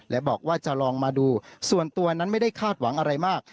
และบอกว่าจะลองมาดูส่วนตัวนั้นไม่ได้คาดหวังอะไรมาก